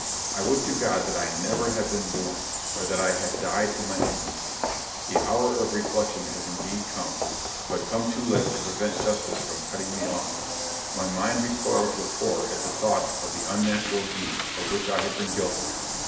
I would to God that I never had been born, or that I had died in my infancy! the hour of reflection has indeed come, but come too late to prevent justice from cutting me off my mind recoils with horror at the thoughts of the unnatural deeds of which I have been guilty!